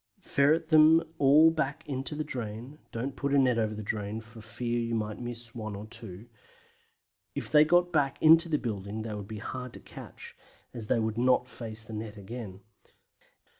Ferret them all back into the drain; don't put a net over the drain for fear you might miss one or two. If they got back into the building they would be hard to catch, as they would not face the net again.